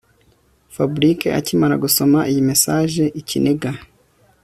Fabric akimara gusoma iyi message ikiniga